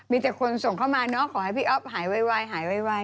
มีแต่คนส่งเข้ามาเนอะขอให้พี่อ๊อฟหายไวหายไว